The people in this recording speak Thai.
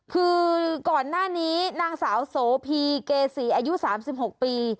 คือก่อนหน้านี้นางสาวโสพีเกษีอายุ๓๖ปี